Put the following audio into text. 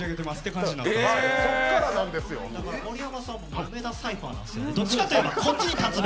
だから、盛山さんも梅田サイファーなんですよね。